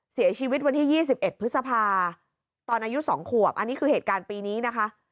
เสียชีวิตวันที่๒๑พฤษภาตอนอายุ๒ขวบอันนี้คือเหตุการณ์ปีนี้นะคะ